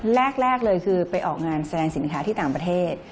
แรกเลยคือไปออกงานแสดงสินค้าที่ต่างประเทศ